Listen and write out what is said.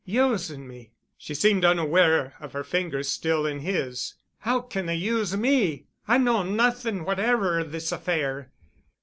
"Using me?" She seemed unaware of her fingers still in his. "How can they use me? I know nothing whatever of this affair."